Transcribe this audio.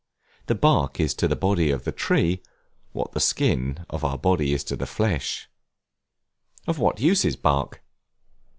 The bark is to the body of a tree, what the skin of our body is to the flesh. Of what use is Bark?